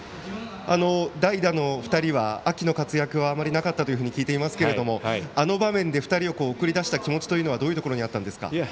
代打の２人は秋の活躍はあまりなかったと聞いていますがあの場面で２人を送り出した気持ちはどういうところにあったんですか。